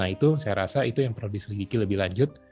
nah itu saya rasa itu yang perlu diselidiki lebih lanjut